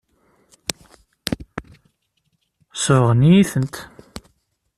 Sebɣen-iyi-tent.